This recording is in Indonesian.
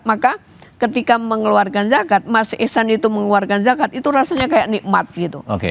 maka ketika mengeluarkan zakat mas ihsan itu mengeluarkan zakat itu rasanya kayak nikmat gitu